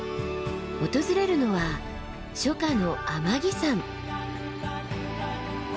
訪れるのは初夏の天城山。